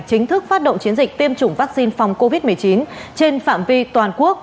chính thức phát động chiến dịch tiêm chủng vaccine phòng covid một mươi chín trên phạm vi toàn quốc